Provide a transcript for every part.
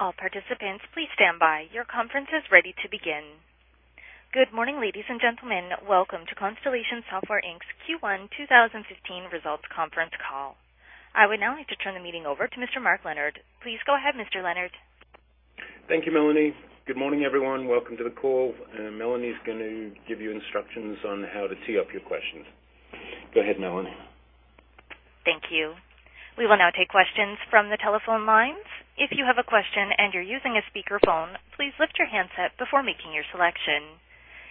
Good morning, ladies and gentlemen. Welcome to Constellation Software Inc's Q1 2015 results conference call. I would now like to turn the meeting over to Mr. Mark Leonard. Please go ahead, Mr. Leonard. Thank you, Melanie. Good morning, everyone. Welcome to the call. Melanie is going to give you instructions on how to tee up your questions. Go ahead, Melanie. Thank you. We will now take questions from the telephone lines. If you have a question and you're using a speaker phone, please lift your headset before making a selection.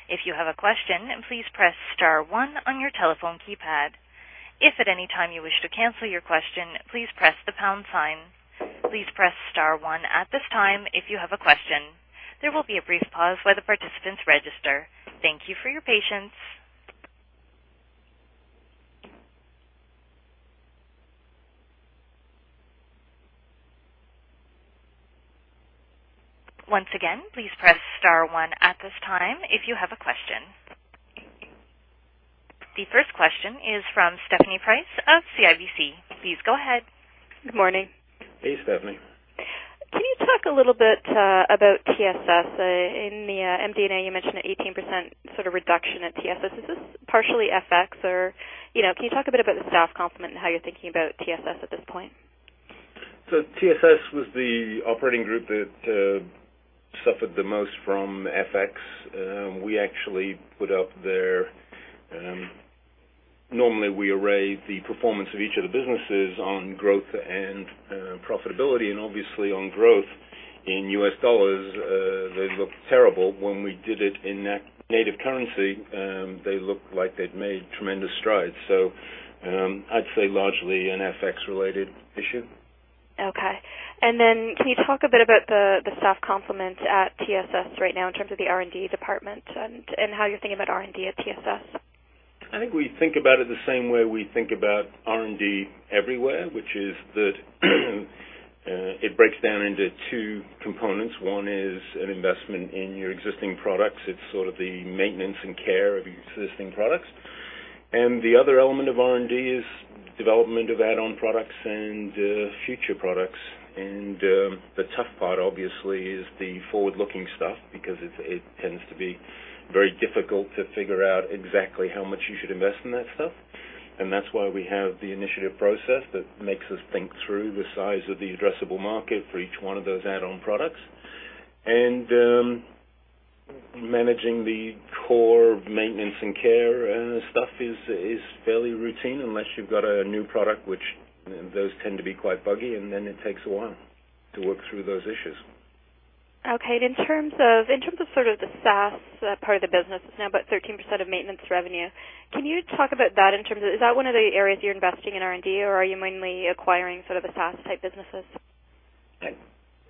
If you have a question please press star one on your telephone keypad. If at any time you wish to cancel your question, please press the pound sign. Please press star one at this time if you have a question. There will be a brief pause while the participants register. Thank you for your patience. Once again, please press star one at this time if you have a question. The first question is from Stephanie Price of CIBC. Please go ahead. Good morning. Hey, Stephanie. Can you talk a little bit about TSS? In the MD&A, you mentioned 18% sort of reduction at TSS. Is this partially FX, or, you know, can you talk a bit about the staff complement and how you're thinking about TSS at this point? TSS was the operating group that suffered the most from FX. We actually put up their, normally, we array the performance of each of the businesses on growth and profitability, and obviously on growth. In U.S. dollars, they look terrible. When we did it in that native currency, they looked like they'd made tremendous strides. I'd say largely an FX-related issue. Okay. Can you talk a bit about the staff complement at TSS right now in terms of the R&D department and how you're thinking about R&D at TSS? I think we think about it the same way we think about R&D everywhere, which is that, it breaks down into two components. One is an investment in your existing products. It's sort of the maintenance and care of your existing products. The other element of R&D is the development of add-on products and future products. The tough part, obviously, is the forward-looking stuff because it tends to be very difficult to figure out exactly how much you should invest in that stuff. That's why we have the initiative process that makes us think through the size of the addressable market for each one of those add-on products. Managing the core maintenance and care, stuff is fairly routine unless you've got a new product, which those tends to be quite buggy, and then it takes a while to work through those issues. Okay. In terms of sort of the SaaS part of the business, it's now about 13% of maintenance revenue. Can you talk about that in terms of is that one of the areas you're investing in R&D, or are you mainly acquiring sort of the SaaS type businesses?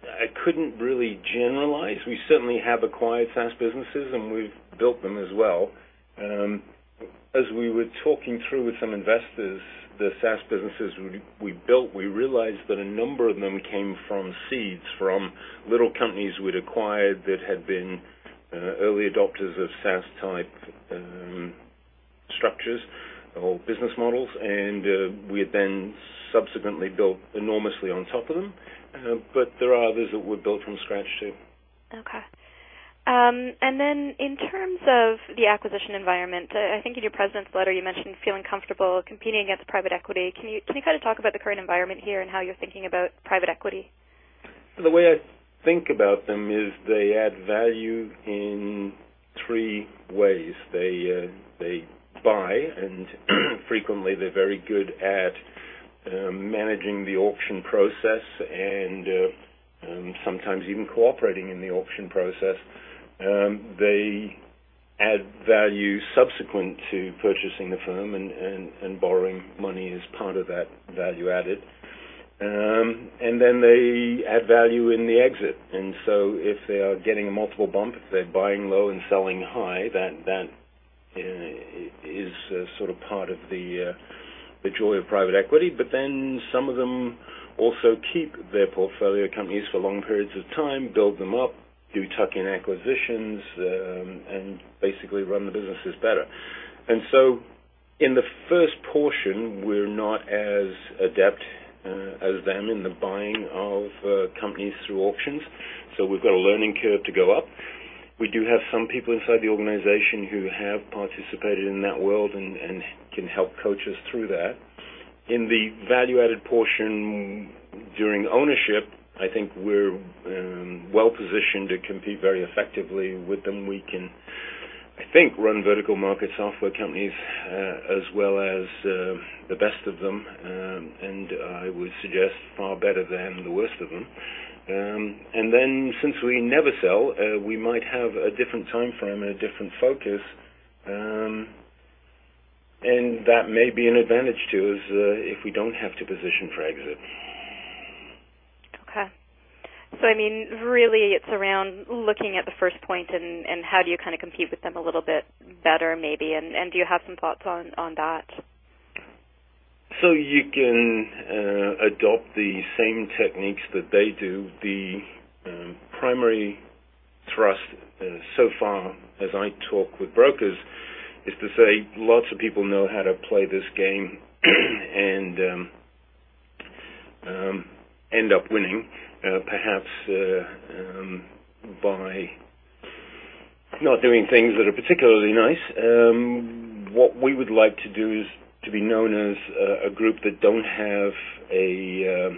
I couldn't really generalize. We certainly have acquired SaaS businesses, and we've built them as well. As we were talking through with some investors, the SaaS businesses we built, we realized that a number of them came from seeds from little companies we'd acquired that had been early adopters of SaaS-type structures or business models, and we had then subsequently built enormously on top of them. There are others that were built from scratch, too. Okay. In terms of the acquisition environment, I think in your President's Letter, you mentioned feeling comfortable competing against private equity. Can you kind of talk about the current environment here and how you're thinking about private equity? The way I think about them is they add value in three ways. They buy, and frequently they're very good at managing the auction process, and sometimes even cooperating in the auction process. They add value subsequent to purchasing the firm and borrowing money as part of that value added. Then they add value in the exit. If they are getting multiple bumps, if they're buying low and selling high, that is sort of part of the joy of private equity. Some of them also keep their portfolio companies for long periods of time, build them up, do tuck-in acquisitions, and basically run the businesses better. In the first portion, we're not as adept as them in the buying of companies through auctions. We've got a learning curve to go up. We do have some people inside the organization who have participated in that world and can help coach us through that. In the value-added portion during ownership, I think we're well-positioned to compete very effectively with them. We can, I think, run vertical market software companies as well as the best of them, and I would suggest far better than the worst of them. Since we never sell, we might have a different timeframe and a different focus, and that may be an advantage to us if we don't have to position for exit. Okay. I mean, really, it's around looking at the first point, and how do you kinda compete with them a little bit better, maybe, and do you have some thoughts on that? You can adopt the same techniques that they do. Primary thrust so far, as I talk with brokers, is to say lots of people know how to play this game and end up winning, perhaps by not doing things that are particularly nice. What we would like to do is to be known as a group that don't have a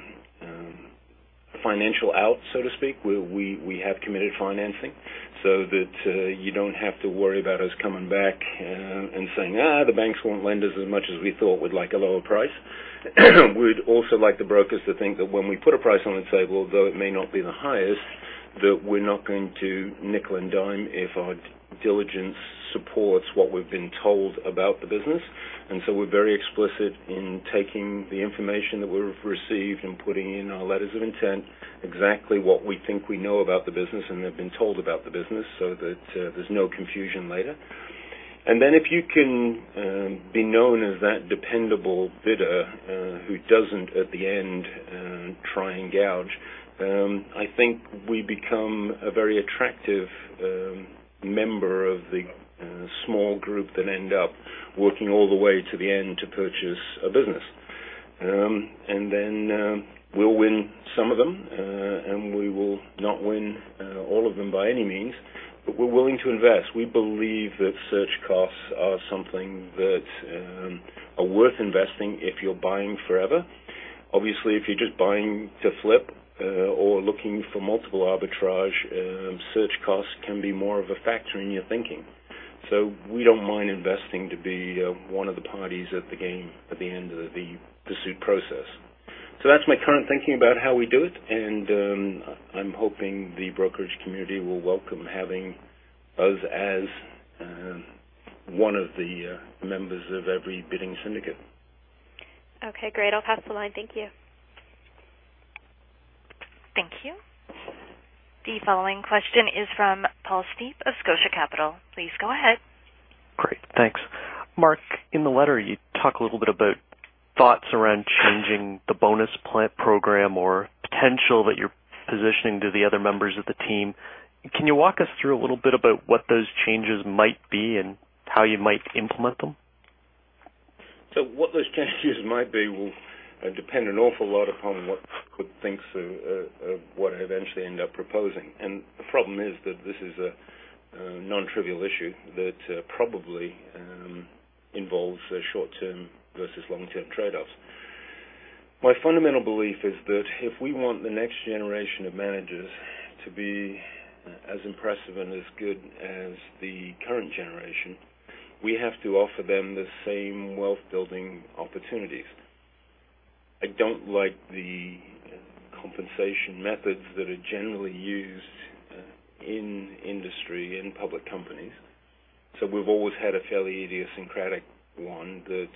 financial out, so to speak. We have committed financing so that you don't have to worry about us coming back and saying, "The banks won't lend us as much as we thought. We'd like a lower price." We'd also like the brokers to think that when we put a price on the table, though it may not be the highest, that we're not going to nickel and dime if our diligence supports what we've been told about the business. We're very explicit in taking the information that we've received and putting in our letters of intent exactly what we think we know about the business and have been told about the business, so that there's no confusion later. If you can be known as that dependable bidder who doesn't at the end try and gouge, I think we become a very attractive member of the small group that ends up working all the way to the end to purchase a business. We'll win some of them, and we will not win all of them by any means, but we're willing to invest. We believe that search costs are something that are worth investing if you're buying forever. Obviously, if you're just buying to flip or looking for multiple arbitrage, search costs can be more of a factor in your thinking. We don't mind investing to be one of the parties at the game at the end of the pursuit process. That's my current thinking about how we do it, and I'm hoping the brokerage community will welcome having us as one of the members of every bidding syndicate. Okay, great. I'll pass the line. Thank you. Thank you. The following question is from Paul Steep of Scotia Capital. Please go ahead. Great. Thanks. Mark, in the letter, you talk a little bit about thoughts around changing the bonus plan program or the potential that you're positioning to the other members of the team. Can you walk us through a little bit about what those changes might be and how you might implement them? What those changes might be will depend an awful lot upon what Comp thinks of what I eventually end up proposing. The problem is that this is a nontrivial issue that probably involves short-term versus long-term trade-offs. My fundamental belief is that if we want the next generation of managers to be as impressive and as good as the current generation, we have to offer them the same wealth-building opportunities. I don't like the compensation methods that are generally used in industry, in public companies. We've always had a fairly idiosyncratic one that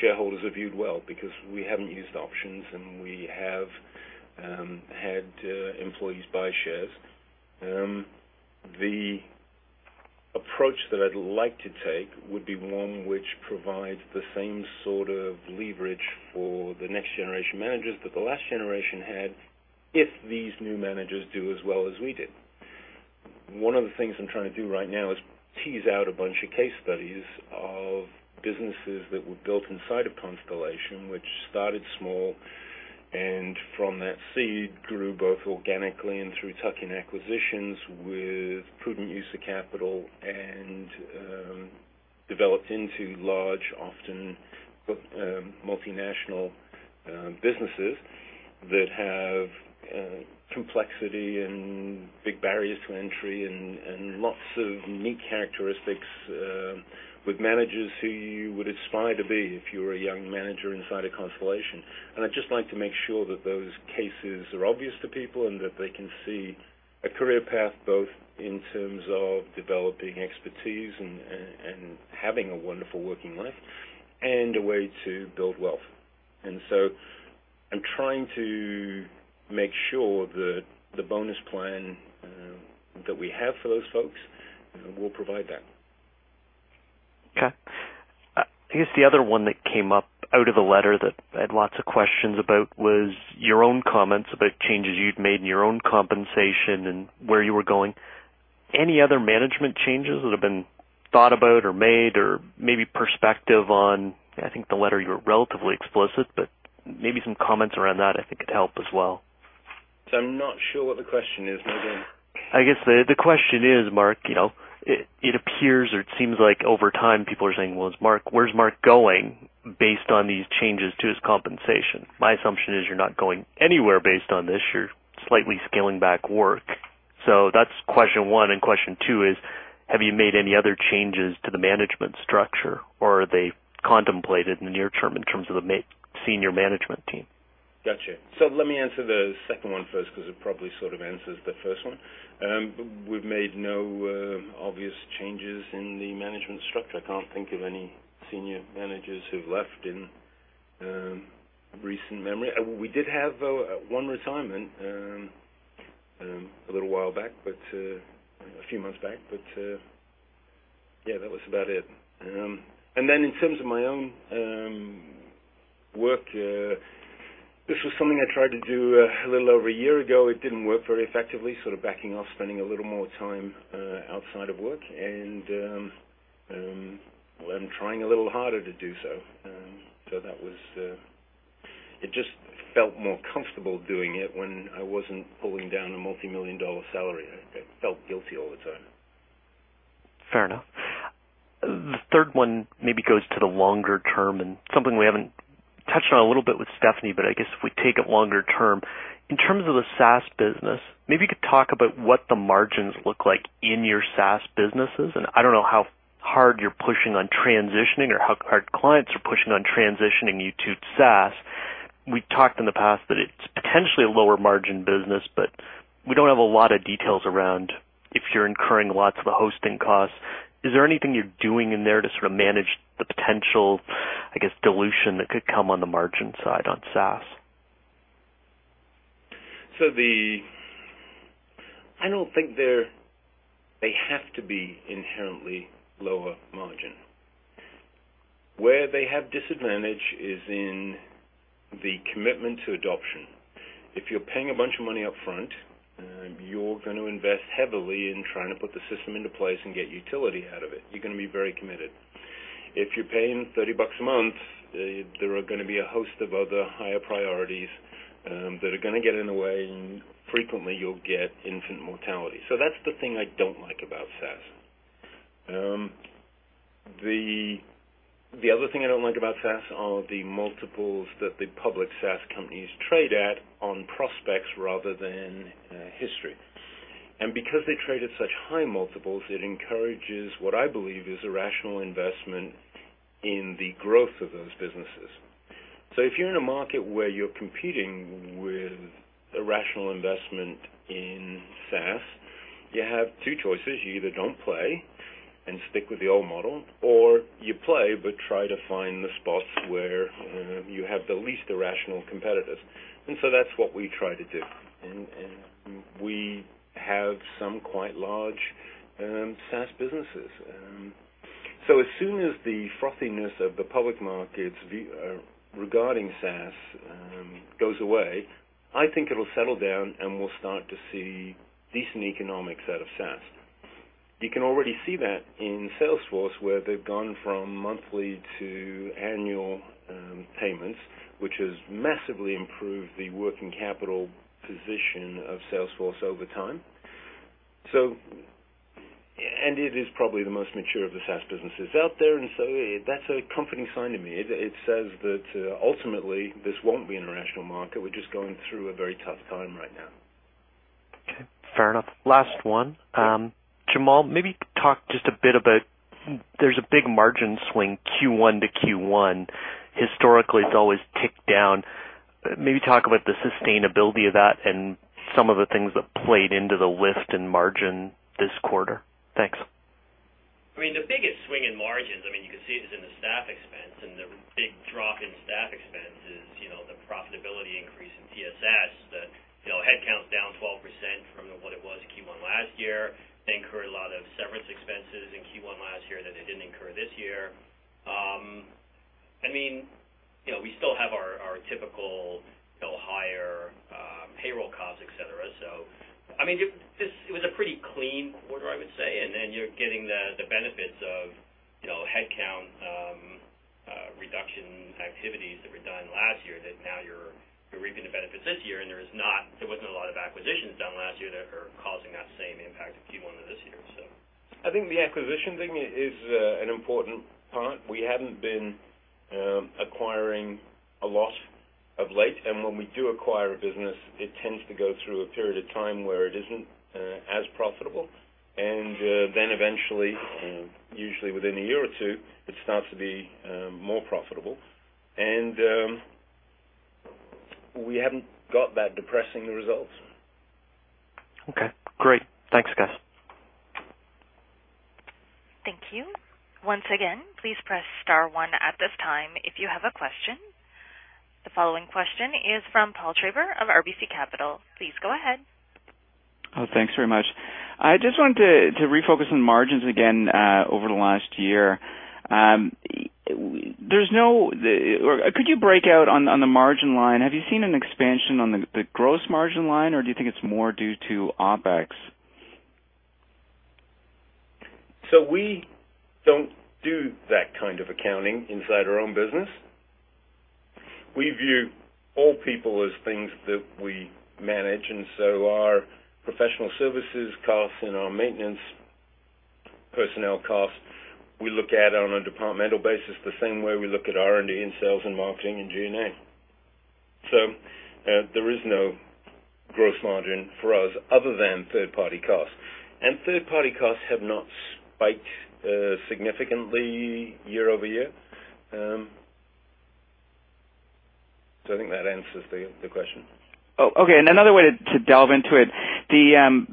shareholders have viewed well because we haven't used options, and we have had employees buy shares. The approach that I'd like to take would be one which provides the same sort of leverage for the next-generation managers that the last generation had if these new managers do as well as we did. One of the things I'm trying to do right now is tease out a bunch of case studies of businesses that were built inside of Constellation, which started small and from that seed grew both organically and through tuck-in acquisitions with prudent use of capital and developed into large, often multinational businesses that have complexity and big barriers to entry and lots of neat characteristics with managers who you would aspire to be if you were a young manager inside of Constellation. I'd just like to make sure that those cases are obvious to people and that they can see a career path, both in terms of developing expertise and having a wonderful working life and a way to build wealth. I'm trying to make sure that the bonus plan that we have for those folks will provide that. I guess the other one that came up out of the letter that I had lots of questions about was your own comments about changes you'd made in your own compensation and where you were going. Any other management changes that have been thought about or made, or maybe a perspective on I think the letter you were relatively explicit, but maybe some comments around that I think could help as well? I'm not sure what the question is now, Paul. I guess the question is, Mark, you know, it appears, or it seems like over time, people are saying, "Well, is Mark, where's Mark going based on these changes to his compensation?" My assumption is you're not going anywhere based on this. You're slightly scaling back work. That's question one. Question two is, have you made any other changes to the management structure, or are they contemplated in the near term in terms of the senior management team? Gotcha. Let me answer the second one first because it probably sort of answers the first one. We've made no obvious changes in the management structure. I can't think of any Senior Managers who've left in recent memory. We did have, though, one retirement a little while back, but a few months back. Yeah, that was about it. Then, in terms of my own work, this was something I tried to do a little over a year ago. It didn't work very effectively, sort of backing off, spending a little more time outside of work. Well, I'm trying a little harder to do so. That was. It just felt more comfortable doing it when I wasn't pulling down a multimillion-dollar salary. I felt guilty all the time. Fair enough. The third one maybe goes to the longer term and something we haven't touched on a little bit with Stephanie, but I guess if we take it longer term. In terms of the SaaS business, maybe you could talk about what the margins look like in your SaaS businesses. I don't know how hard you're pushing on transitioning or how hard clients are pushing on transitioning you to SaaS. We talked in the past that it's potentially a lower margin business, but we don't have a lot of details around if you're incurring lots of the hosting costs. Is there anything you're doing in there to sort of manage the potential, I guess, dilution that could come on the margin side on SaaS? I don't think they have to be inherently lower margin. Where they have a disadvantage is in the commitment to adoption. If you're paying a bunch of money up front, you're going to invest heavily in trying to put the system into place and get utility out of it. You're gonna be very committed. If you're paying 30 bucks a month, there are gonna be a host of other higher priorities, that are gonna get in the way, and frequently you'll get infant mortality. That's the thing I don't like about SaaS. The other thing I don't like about SaaS are the multiples that the public SaaS companies trade at on prospects rather than history. Because they trade at such high multiples, it encourages what I believe is irrational investment in the growth of those businesses. If you're in a market where you're competing with irrational investment in SaaS, you have two choices. You either don't play and stick with the old model, or you play, but try to find the spots where you have the least irrational competitors. That's what we try to do. We have some quite large SaaS businesses. As soon as the frothiness of the public markets regarding SaaS goes away, I think it'll settle down, and we'll start to see decent economics out of SaaS. You can already see that in Salesforce, where they've gone from monthly to annual payments, which has massively improved the working capital position of Salesforce over time. It is probably the most mature of the SaaS businesses out there, that's a comforting sign to me. It says that, ultimately, this won't be an irrational market. We're just going through a very tough time right now. Okay, fair enough. Last one. Jamal, maybe talk just a bit about there is a big margin swing from Q1 to Q1. Historically, it's always ticked down. Maybe talk about the sustainability of that and some of the things that played into the lift in margin this quarter. Thanks. I mean, the biggest swing in margins, I mean, you can see it is in the staff expense. The big drop in staff expense is, you know, the profitability increase in TSS. You know, headcount's down 12% from what it was in Q1 last year. They incurred a lot of severance expenses in Q1 last year that they didn't incur this year. I mean, you know, we still have our typical, you know, higher payroll costs, et cetera. I mean, it was a pretty clean quarter, I would say. You're getting the benefits of, you know, headcount reduction activities that were done last year, that now you're reaping the benefits this year. There wasn't a lot of acquisitions done last year that are causing that same impact of Q1 of this year. I think the acquisition thing is an important part. We haven't been acquiring a lot of late, and when we do acquire a business, it tends to go through a period of time where it isn't as profitable. Then eventually, usually within a year or two, it starts to be more profitable. We haven't got those depressing results. Okay, great. Thanks, guys. Thank you. Once again, please press star one at this time if you have a question. The following question is from Paul Treiber of RBC Capital. Please go ahead. Thanks very much. I just wanted to refocus on margins again over the last year. Could you break out on the margin line? Have you seen an expansion on the gross margin line, or do you think it's more due to OpEx? We don't do that kind of accounting inside our own business. We view all people as things that we manage, our professional services costs, and our maintenance personnel costs. We look at on a departmental basis, the same way we look at R&D, and sales, and marketing, and G&A. There is no gross margin for us other than third-party costs. Third-party costs have not spiked significantly year-over-year. I think that answers the question. Okay. Another way to delve into it. In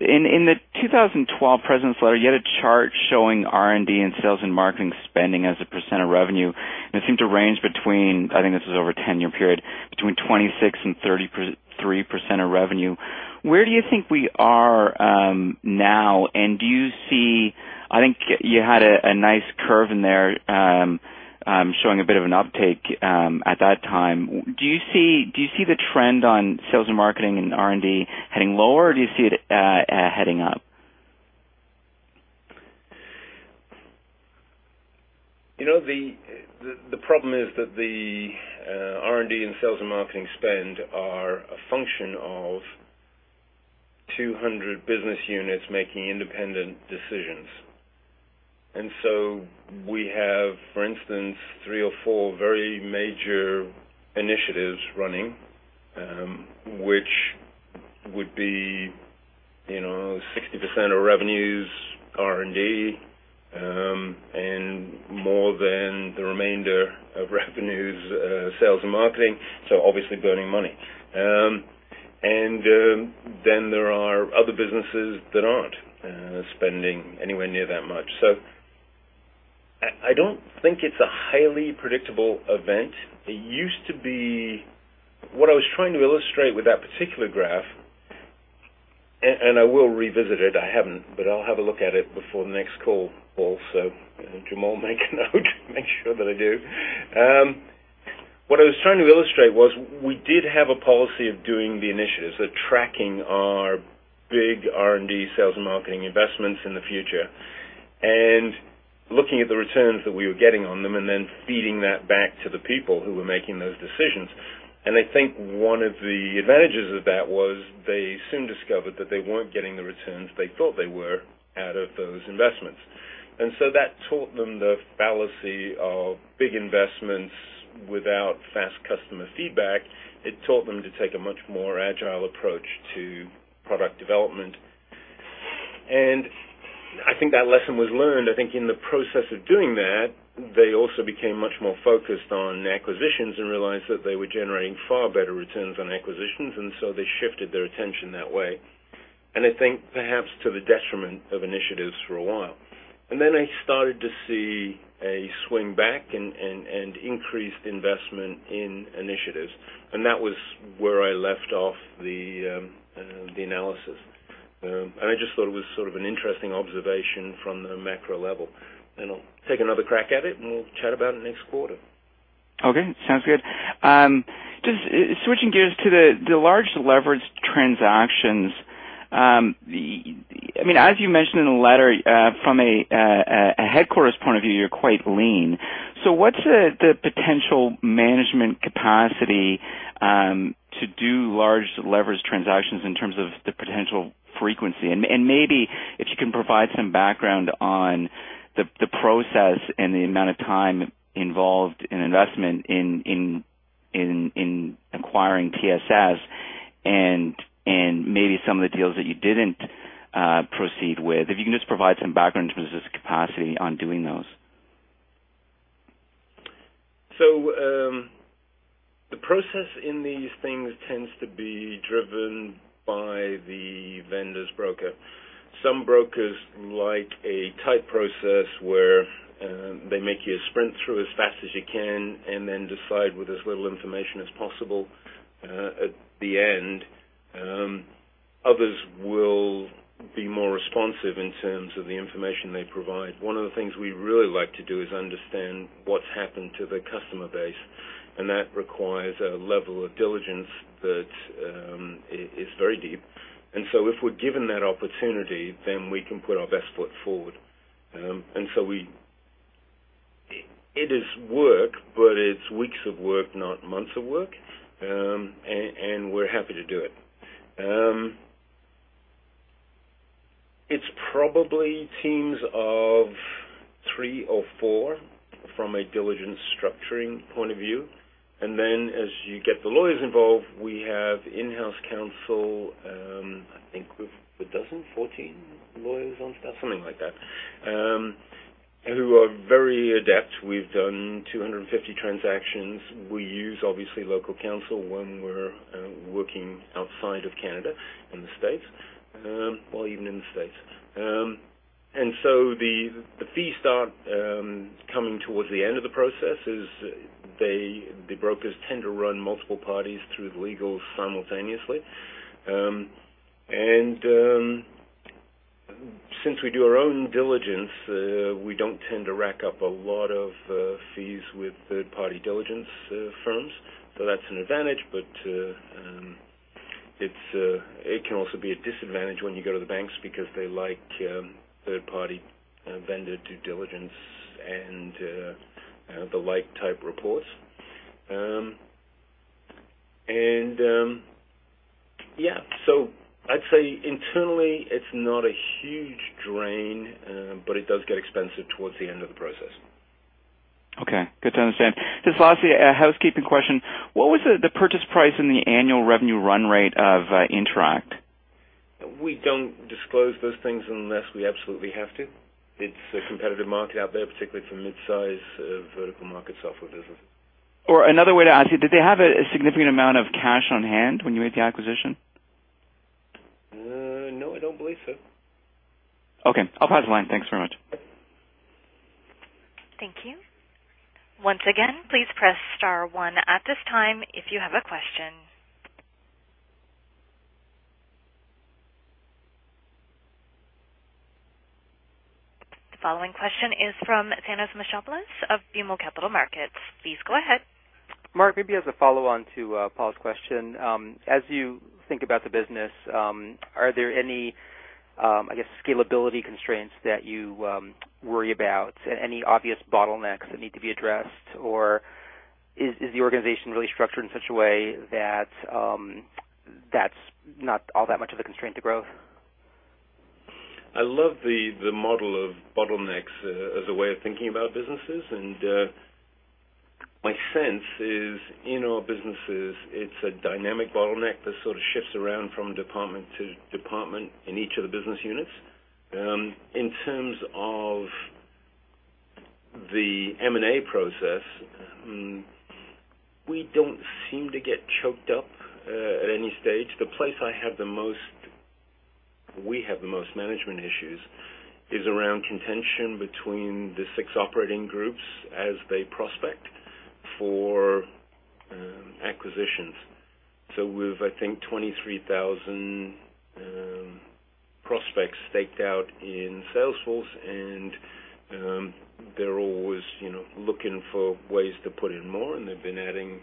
the 2012 President's Letter, you had a chart showing R&D, and sales, and marketing spending as a percent of revenue. It seemed to range between, I think this was over a 10-year period, between 26% and 33% of revenue. Where do you think we are now? Do you see, I think you had a nice curve in there showing a bit of an uptake at that time. Do you see the trend on sales, and marketing, and R&D heading lower, or do you see it heading up? You know, the problem is that the R&D, and sales, and marketing spend are a function of 200 business units making independent decisions. We have, for instance, three or four very major initiatives running, which would be, you know, 60% of revenues, R&D, and more than the remainder of revenues, sales and marketing, so obviously burning money. Then there are other businesses that aren't spending anywhere near that much. I don't think it's a highly predictable event. What I was trying to illustrate with that particular graph, and I will revisit it, I haven't, but I'll have a look at it before the next call also. Jamal, make a note. Make sure that I do. What I was trying to illustrate was we did have a policy of doing the initiatives, so tracking our big R&D sales and marketing investments in the future and looking at the returns that we were getting on them, and then feeding that back to the people who were making those decisions. I think one of the advantages of that was they soon discovered that they weren't getting the returns they thought they were out of those investments. That taught them the fallacy of big investments without fast customer feedback. It taught them to take a much more agile approach to product development. I think that lesson was learned. I think in the process of doing that, they also became much more focused on acquisitions and realized that they were generating far better returns on acquisitions, and so they shifted their attention that way. I think perhaps to the detriment of initiatives for a while. I started to see a swing back and increased investment in initiatives. That was where I left off the analysis. I just thought it was sort of an interesting observation from the macro level. I'll take another crack at it, and we'll chat about it next quarter. Okay, sounds good. Just switching gears to the large leverage transactions. I mean, as you mentioned in the letter, from a headquarters point of view, you're quite lean. What's the potential management capacity to do large leverage transactions in terms of the potential frequency? Maybe if you can provide some background on the process and the amount of time involved in the investment in acquiring TSS, and maybe some of the deals that you didn't proceed with. If you can just provide some background in terms of capacity on doing those. The process in these things tends to be driven by the vendor's broker. Some brokers like a tight process where they make you sprint through as fast as you can and then decide with as little information as possible at the end. Others will be more responsive in terms of the information they provide. One of the things we really like to do is understand what's happened to their customer base, and that requires a level of diligence that is very deep. If we're given that opportunity, then we can put our best foot forward. It is work, but it's weeks of work, not months of work. We're happy to do it. It's probably teams of three or four from a diligence structuring point of view. As you get the lawyers involved, we have in-house counsel, I think we've 12, 14 lawyers on staff, something like that, who are very adept. We've done 250 transactions. We obviously use local counsel when we're working outside of Canada in the States, or even in the States. The fees start coming towards the end of the process as they, the brokers tend to run multiple parties through the legal simultaneously. Since we do our own diligence, we don't tend to rack up a lot of fees with third-party diligence firms. That's an advantage, but it's it can also be a disadvantage when you go to the banks because they like third-party vendor due diligence and the like type reports. Yeah. I'd say internally, it's not a huge drain, but it does get expensive towards the end of the process. Okay. Good to understand. Just lastly, a housekeeping question. What was the purchase price and the annual revenue run rate of InterAct? We don't disclose those things unless we absolutely have to. It's a competitive market out there, particularly for midsize vertical market software businesses. Another way to ask you, did they have a significant amount of cash on hand when you made the acquisition? No, I don't believe so. Okay. I'll pause the line. Thanks very much. Thank you. Once again, please press star one at this time if you have a question. The following question is from Thanos Moschopoulos of BMO Capital Markets. Please go ahead. Mark, maybe as a follow-on to Paul's question. As you think about the business, are there any, I guess, scalability constraints that you worry about? Any obvious bottlenecks that need to be addressed? Or is the organization really structured in such a way that that's not all that much of a constraint to growth? I love the model of bottlenecks as a way of thinking about businesses. My sense is in our businesses, it's a dynamic bottleneck that sort of shifts around from department to department in each of the business units. In terms of the M&A process, we don't seem to get choked up at any stage. The place we have the most management issues is around contention between the six operating groups as they prospect for acquisitions. We've, I think, 23,000 prospects staked out in Salesforce, and they're always, you know, looking for ways to put in more. They've been adding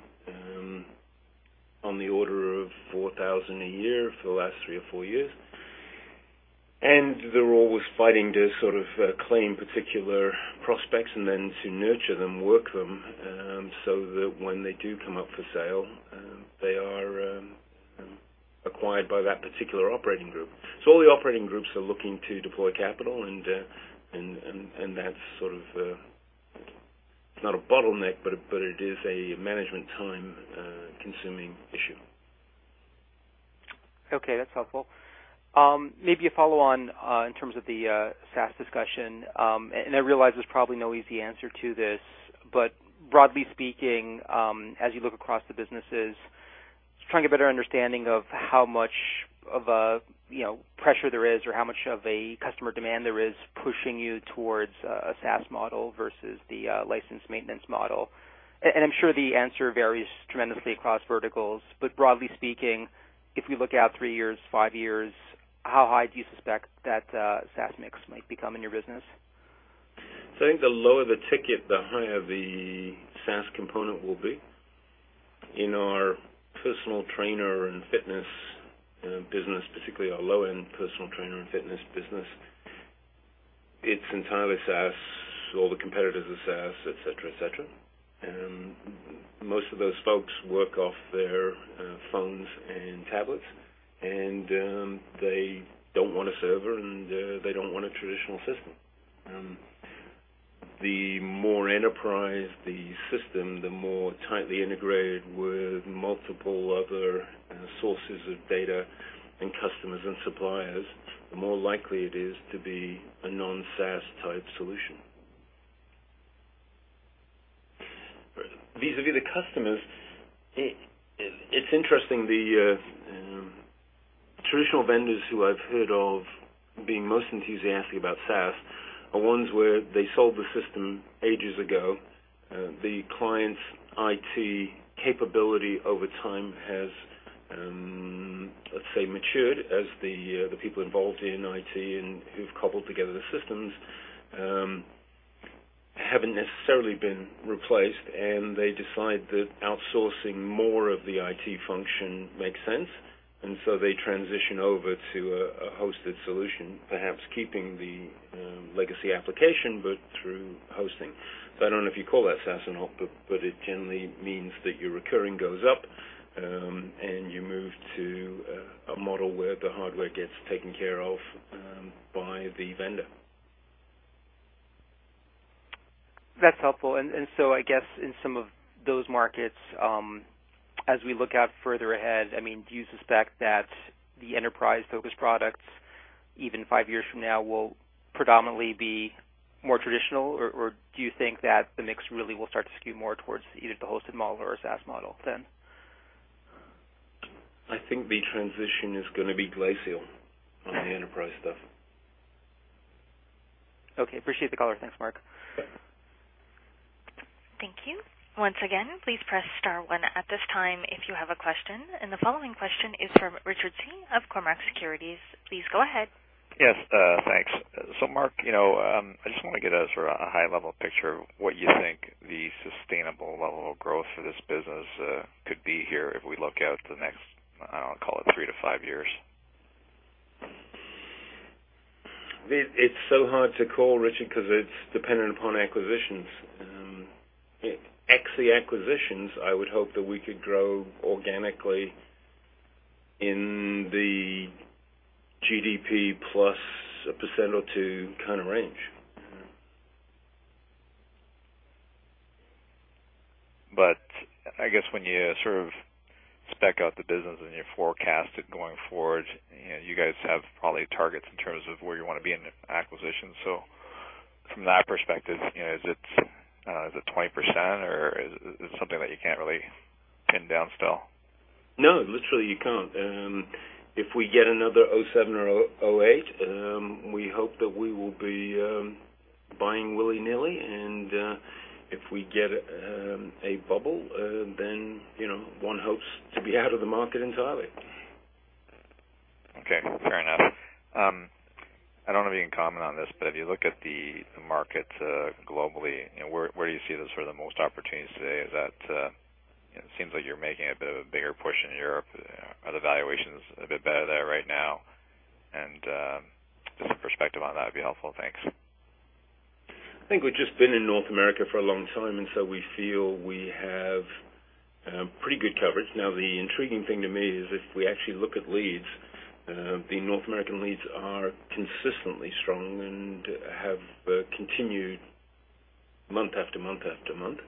on the order of 4,000 a year for the last three or four years. They're always fighting to sort of claim particular prospects and then to nurture them, work them, so that when they do come up for sale, they are acquired by that particular operating group. All the operating groups are looking to deploy capital, and that's sort of not a bottleneck, but it is a time-consuming management issue. Okay, that's helpful. Maybe a follow-on in terms of the SaaS discussion. I realize there's probably no easy answer to this, but broadly speaking, as you look across the businesses, just trying to get a better understanding of how much of a, you know, pressure there is or how much of a customer demand there is pushing you towards a SaaS model versus the license maintenance model. I'm sure the answer varies tremendously across verticals, but broadly speaking, if we look out three years, five years, how high do you suspect that SaaS mix might become in your business? I think the lower the ticket, the higher the SaaS component will be. In our personal trainer and fitness business, particularly our low-end personal trainer and fitness business, it's entirely SaaS. All the competitors are SaaS, et cetera, et cetera. Most of those folks work off their phones and tablets, and they don't want a server, and they don't want a traditional system. The more enterprise the system, the more tightly integrated with multiple other sources of data and customers and suppliers, the more likely it is to be a non-SaaS type solution. Vis-à-vis the customers, it's interesting. The traditional vendors who I've heard of being most enthusiastic about SaaS are ones where they sold the system ages ago. The client's IT capability over time has, let's say, matured as the people involved in IT, and who've cobbled together the systems, haven't necessarily been replaced, and they decide that outsourcing more of the IT function makes sense. They transition over to a hosted solution, perhaps keeping the legacy application, but through hosting. I don't know if you call that SaaS or not, but it generally means that your recurring goes up, and you move to a model where the hardware gets taken care of by the vendor. That's helpful. I guess in some of those markets, as we look out further ahead, I mean, do you suspect that the enterprise-focused products, even five years from now, will predominantly be more traditional? Do you think that the mix really will start to skew more towards either the hosted model or a SaaS model then? I think the transition is gonna be glacial. Okay on the enterprise stuff. Okay. Appreciate the color. Thanks, Mark. Sure. Thank you. Once again, please press star one at this time if you have a question. The following question is from Richard Tse of Cormark Securities. Please go ahead. Yes, thanks. Mark, you know, I just want to get a sort of a high-level picture of what you think the sustainable level of growth for this business could be here if we look out the next, I don't know, call it three to five years. It's so hard to call, Richard, 'cause it's dependent upon acquisitions. Ex the acquisitions, I would hope that we could grow organically in the GDP plus a percent or two, kind of range. I guess when you sort of spec out the business and you forecast it going forward, you know, you guys have probably targets in terms of where you want to be in acquisitions. From that perspective, you know, is it 20%, or is it something that you can't really pin down still? No, literally you can't. If we get another 2007 or 2008, we hope that we will be buying willy-nilly. If we get a bubble, then, you know, one hopes to be out of the market entirely. Okay, fair enough. I don't know if you can comment on this, but if you look at the market, globally, you know, where do you see those for the most opportunities today? Is that, you know, it seems like you're making a bit of a bigger push in Europe. Are the valuations a bit better there right now? Just some perspective on that would be helpful. Thanks. I think we've just been in North America for a long time, so we feel we have pretty good coverage. The intriguing thing to me is that if we actually look at leads, the North American leads are consistently strong and have continued month after month after month.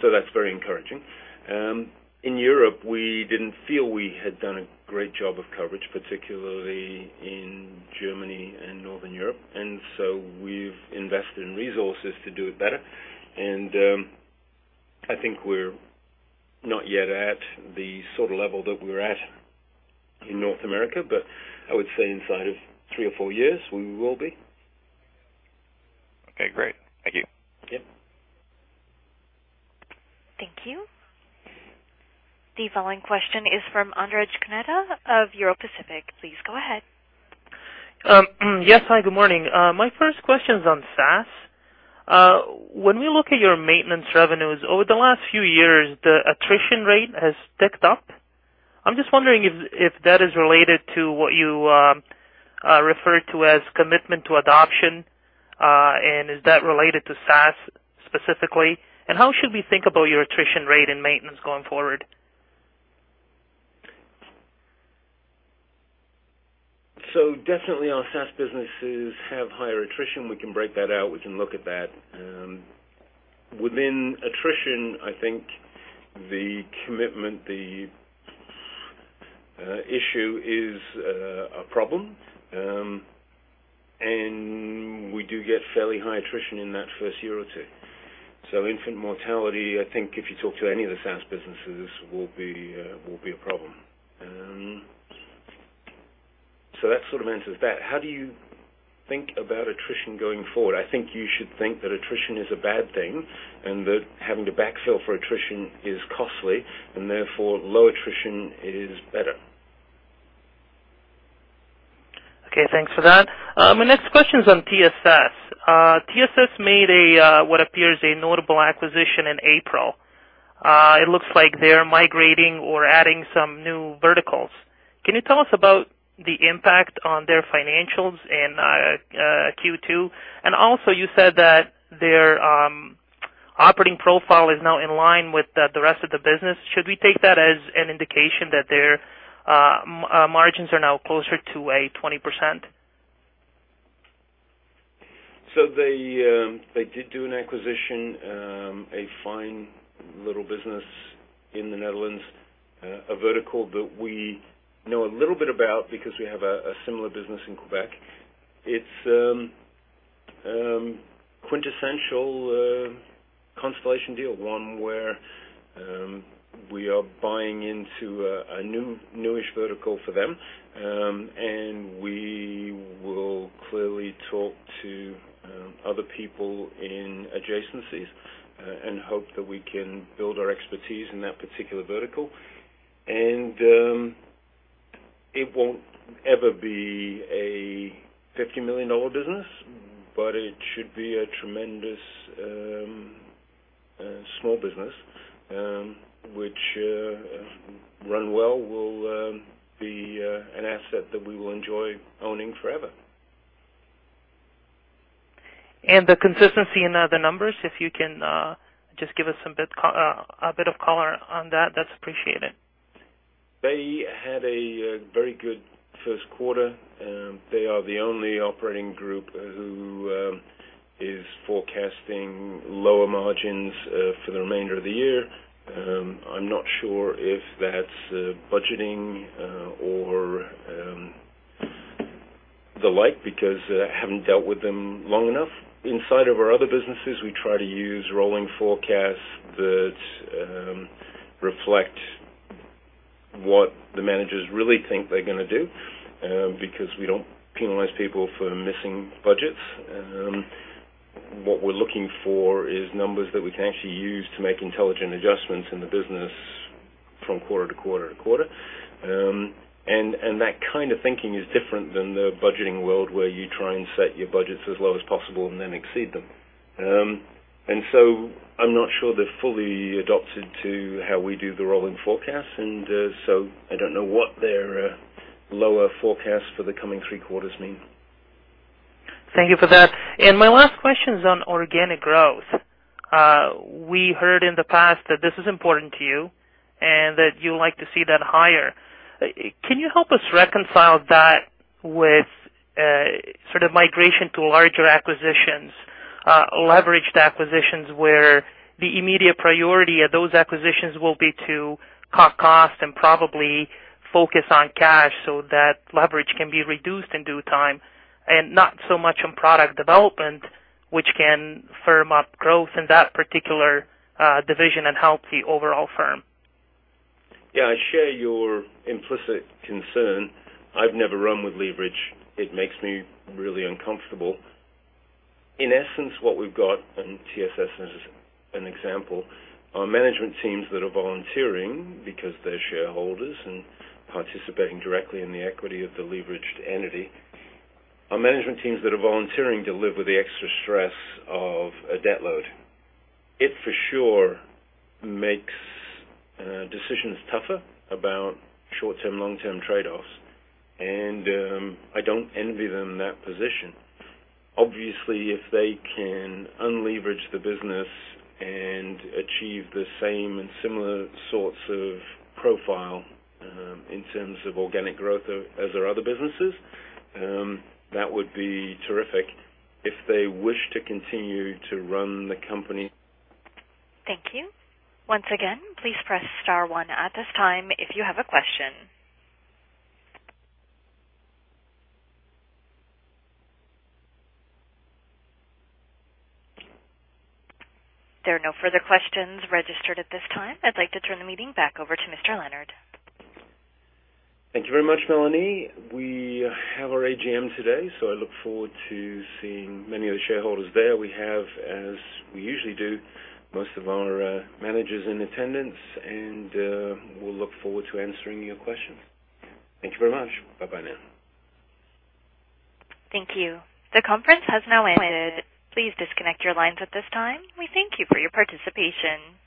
That's very encouraging. In Europe, we didn't feel we had done a great job of coverage, particularly in Germany and Northern Europe. We've invested in resources to do it better. I think we're not yet at the sort of level that we're at in North America, but I would say inside of three or four years, we will be. Okay, great. Thank you. Yep. Thank you. The following question is from Andrej Krneta of Euro Pacific. Please go ahead. Yes. Hi, good morning. My first question's on SaaS. When we look at your maintenance revenues over the last few years, the attrition rate has ticked up. I'm just wondering if that is related to what you refer to as commitment to adoption. Is that related to SaaS specifically? How should we think about your attrition rate and maintenance going forward? Definitely, our SaaS businesses have higher attrition. We can break that out. We can look at that. Within attrition, I think the commitment, the issue is a problem. We do get fairly high attrition in that first year or two. Infant mortality, I think, if you talk to any of the SaaS businesses, will be a problem. That sort of answers that. How do you think about attrition going forward? I think you should think that attrition is a bad thing and that having to backfill for attrition is costly, and therefore, low attrition is better. Okay. Thanks for that. My next question's on TSS. TSS made a, what appears a notable acquisition in April. It looks like they're migrating or adding some new verticals. Can you tell us about the impact on their financials in Q2? Also, you said that their operating profile is now in line with the rest of the business. Should we take that as an indication that their margins are now closer to a 20%? They did do an acquisition, a fine little business in the Netherlands, a vertical that we know a little bit about because we have a similar business in Quebec. It's a quintessential Constellation deal. One where we are buying into a new, newish vertical for them. We will clearly talk to other people in adjacencies and hope that we can build our expertise in that particular vertical. It won't ever be a $50 million business, but it should be a tremendous small business which, if run well, will be an asset that we will enjoy owning forever. The consistency in the numbers, if you can, just give us a bit of color on that's appreciated. They had a very good first quarter. They are the only operating group who is forecasting lower margins for the remainder of the year. I'm not sure if that's budgeting or the like because I haven't dealt with them long enough. Inside of our other businesses, we try to use rolling forecasts that reflect what the managers really think they're gonna do because we don't penalize people for missing budgets. What we're looking for is numbers that we can actually use to make intelligent adjustments in the business from quarter to quarter to quarter. That kind of thinking is different than the budgeting world, where you try and set your budgets as low as possible and then exceed them. I'm not sure they've fully adapted to how we do the rolling forecast. I don't know what their lower forecast for the coming three quarters means. Thank you for that. My last question's on organic growth. We heard in the past that this is important to you and that you like to see that higher. Can you help us reconcile that with a sort of migration to larger acquisitions, leveraged acquisitions, where the immediate priority of those acquisitions will be to cut costs and probably focus on cash so that leverage can be reduced in due time and not so much on product development, which can firm up growth in that particular division and help the overall firm? Yeah. I share your implicit concern. I've never run with leverage. It makes me really uncomfortable. In essence, what we've got, and TSS is an example, are management teams that are volunteering because they're shareholders and participating directly in the equity of the leveraged entity. Our management teams are volunteering to live with the extra stress of a debt load. It for sure makes decisions tougher about short-term and long-term trade-offs. I don't envy them in that position. Obviously, if they can unleverage the business and achieve the same and similar sorts of profile in terms of organic growth as our other businesses, that would be terrific. If they wish to continue to run the company. Thank you. Once again, please press star one at this time if you have a question. There are no further questions registered at this time. I'd like to turn the meeting back over to Mr. Leonard. Thank you very much, Melanie. We have our AGM today. I look forward to seeing many of the shareholders there. We have, as we usually do, most of our managers in attendance, and we'll look forward to answering your questions. Thank you very much. Bye-bye now. Thank you. The conference has now ended. Please disconnect your lines at this time. We thank you for your participation.